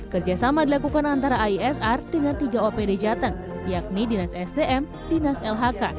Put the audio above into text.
kerjasama dilakukan antara iesr dengan tiga opd jateng yakni dinas sdm dinas lhk